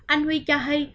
anh huy cho hay